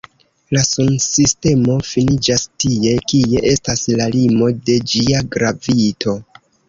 La Sunsistemo finiĝas tie, kie estas la limo de ĝia gravito.